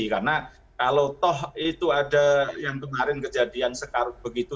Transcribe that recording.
karena kalau toh itu ada yang kemarin kejadian sekar begitu